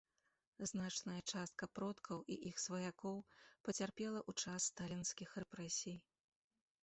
Значная частка продкаў і іх сваякоў пацярпела ў час сталінскіх рэпрэсій.